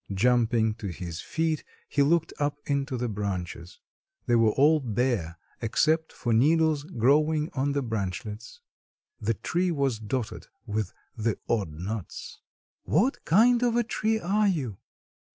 Jumping to his feet he looked up into the branches. They were all bare except for the needles growing on the branchlets. The tree was dotted with the odd nuts. "What kind of a tree are you?